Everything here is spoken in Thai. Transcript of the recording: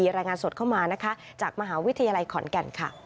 รายงานสดเข้ามานะคะจากมหาวิทยาลัยขอนแก่นค่ะ